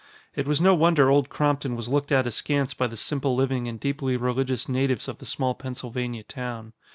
It was no wonder Old Crompton was looked at askance by the simple living and deeply religious natives of the small Pennsylvania town.